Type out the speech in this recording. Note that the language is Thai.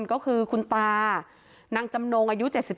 ก็คือคุณตานางจำนงอายุ๗๒